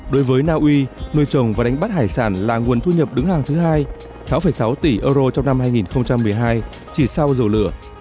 đối với naui nuôi trồng và đánh bắt hải sản là nguồn thu nhập đứng hàng thứ hai sáu sáu tỷ euro trong năm hai nghìn một mươi hai chỉ sau dầu lửa